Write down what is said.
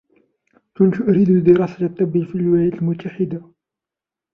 كنت أريد دراسة الطب في الولايات المتحدة.